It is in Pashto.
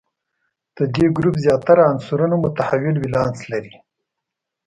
د دې ګروپ زیاتره عنصرونه متحول ولانس لري.